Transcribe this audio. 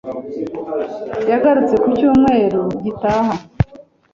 Yagarutse ku cyumweru gitaha